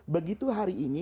begitu hari ini